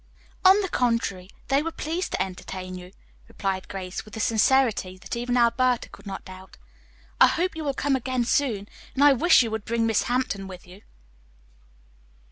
"On the contrary, they were pleased to entertain you," replied Grace with a sincerity that even Alberta could not doubt. "I hope you will come again soon, and I wish you would bring Miss Hampton with you."